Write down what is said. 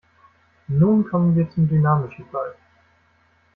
Nun kommen wir zum dynamischen Fall.